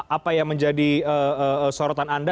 apa yang menjadi sorotan anda